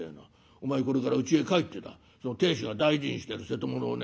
お前これからうちへ帰ってだ亭主が大事にしてる瀬戸物をね